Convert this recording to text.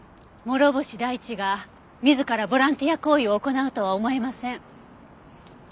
諸星大地が自らボランティア行為を行うとは思えません。